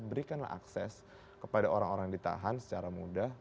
berikanlah akses kepada orang orang yang ditahan secara mudah